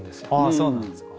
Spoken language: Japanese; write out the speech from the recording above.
あそうなんですか。